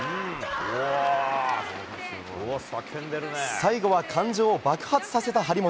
最後は感情を爆発させた張本。